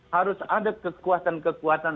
harus ada kekuatan kekuatan